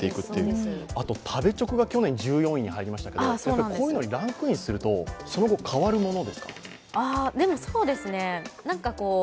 食べチョクが去年１４位に入りましたがこういうのにランクインすると、その後変わるものですか？